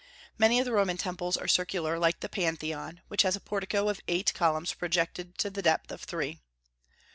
Many of the Roman temples are circular, like the Pantheon, which has a portico of eight columns projected to the depth of three.